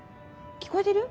聞こえてる？